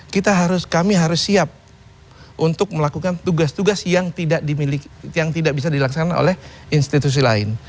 kami harus siap untuk melakukan tugas tugas yang tidak bisa dilaksanakan oleh institusi lain